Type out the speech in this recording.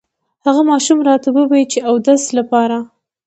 هغه ماشوم راته ووې چې اودس لپاره